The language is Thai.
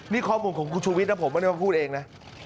นี่ข้อมูลของคุณชูวิทยนะผมไม่ได้มาพูดเองนะ